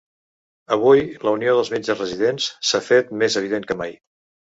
Avui la unió dels metges residents s’ha fet més evident que mai!